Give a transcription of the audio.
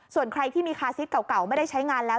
ส่วนใครที่มีคาซิสเก่าไม่ได้ใช้งานแล้ว